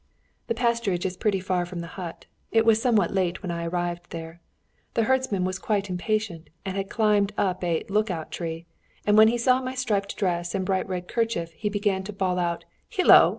"The pasturage is pretty far from the hut. It was somewhat late when I arrived there. The herdsman was quite impatient, and had climbed up a 'look out' tree, and when he saw my striped dress and bright red kerchief, he began to bawl out, 'Hillo!